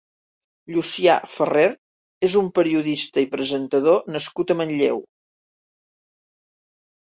Llucià Ferrer és un periodista i presentador nascut a Manlleu.